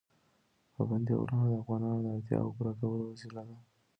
پابندي غرونه د افغانانو د اړتیاوو پوره کولو وسیله ده.